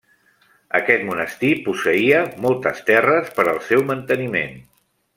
Aquest monestir posseïa moltes terres per al seu manteniment.